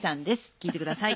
聴いてください。